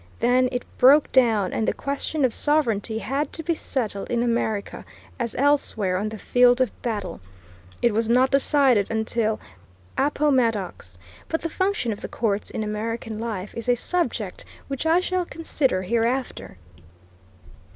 Then it broke down, and the question of sovereignty had to be settled in America, as elsewhere, on the field of battle. It was not decided until Appomattox. But the function of the courts in American life is a subject which I shall consider hereafter.